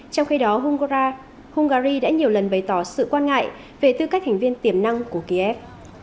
trong khi đó hungary đã nhiều lần bày tỏ sự quan ngại về tư cách thành viên tiềm năng của kiev